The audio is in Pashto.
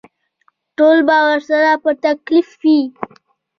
ټول به ورسره په تکلیف وي.